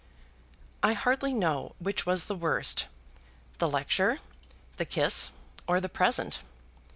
I hardly know which was the worst, the lecture, the kiss, or the present.